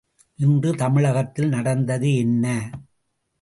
இன்று தமிழகத்தில் நடந்தது என்ன?